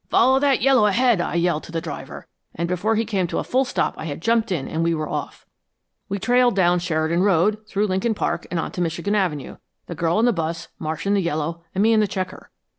'Follow that Yellow ahead!' I yelled to the driver, and before he came to a full stop I had jumped in and we were off." "We trailed down Sheridan Road, through Lincoln Park, and on to Michigan Avenue the girl in the bus, Marsh in the Yellow, and me in the Checker.